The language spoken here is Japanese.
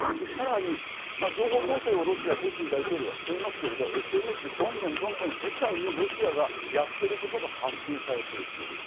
さらに情報統制をプーチン大統領はしていますけれどもＳＮＳで世界にロシアがやっていることが発信されていく。